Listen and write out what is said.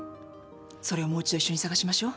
それをもう一度一緒に捜しましょう。